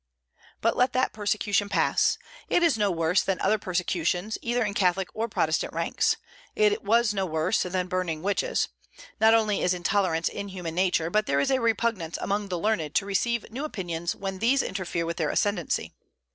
But let that persecution pass. It is no worse than other persecutions, either in Catholic or Protestant ranks. It was no worse than burning witches. Not only is intolerance in human nature, but there is a repugnance among the learned to receive new opinions when these interfere with their ascendency.